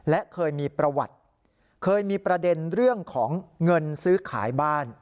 และเคยมีประวัติเคยมีประเด็นเรื่องของเงินซื้อขายบ้าน